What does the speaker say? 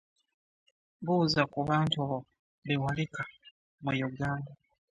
Buuza ku bantu bo be waleka mu Yuganda.